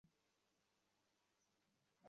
তাঁর কাজকর্ম ইদানীং এলোমেলো হয়ে যাচ্ছে কেন?